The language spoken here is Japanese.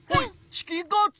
チキンカツ。